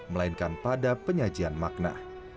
melainkan pada penyajian makna